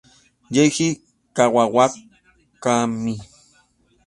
Seiji Kawakami